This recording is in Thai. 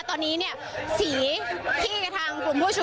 ตอนนี้เนี่ย